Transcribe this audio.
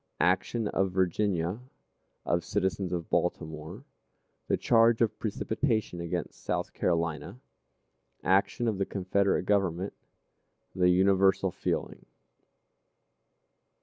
Action of Virginia. Of Citizens of Baltimore. The Charge of Precipitation against South Carolina. Action of the Confederate Government. The Universal Feeling.